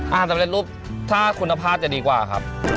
สำเร็จรูปถ้าคุณภาพจะดีกว่าครับ